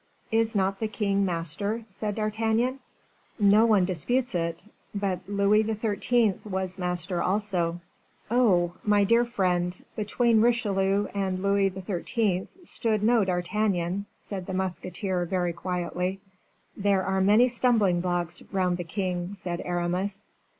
"Is not the king master?" said D'Artagnan. "No one disputes it; but Louis XIII. was master also." "Oh! my dear friend, between Richelieu and Louis XIII. stood no D'Artagnan," said the musketeer, very quietly. "There are many stumbling blocks round the king," said Aramis.